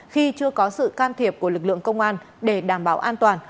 khi chưa có sự can thiệp của lực lượng công an để đảm bảo an toàn